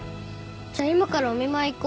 じゃあ今からお見舞い行こ。